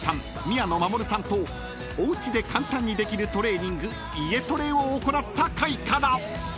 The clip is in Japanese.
宮野真守さんとおうちで簡単にできるトレーニング家トレを行った回から］